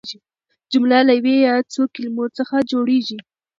جمله له یوې یا څو کلیمو څخه جوړیږي.